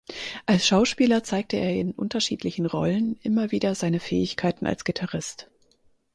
Als Schauspieler zeigte er in unterschiedlichen Rollen immer wieder seine Fähigkeiten als Gitarrist.